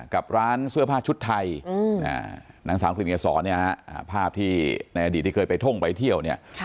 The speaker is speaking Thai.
กับร้านเสื้อผ้าชุดไทยนางสาวกลิ่นเกษรเนี่ยฮะภาพที่ในอดีตที่เคยไปท่งไปเที่ยวเนี่ย